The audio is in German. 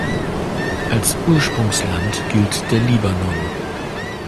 Als Ursprungsland gilt der Libanon.